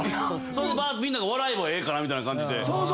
⁉それでみんなが笑えばええかなみたいな感じで。